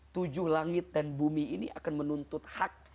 tujuh langit dan bumi ini akan menuntut hak